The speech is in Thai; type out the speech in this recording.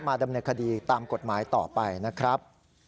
ดำเนินคดีตามกฎหมายต่อไปนะครับ